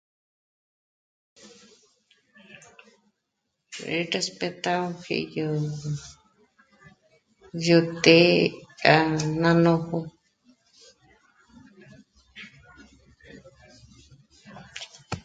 É réspetágoji yó të̌'ë k'a ná nójo